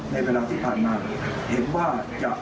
ในเวลาเดิมคือ๑๕นาทีครับ